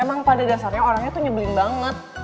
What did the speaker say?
emang pada dasarnya orangnya tuh nyebelin banget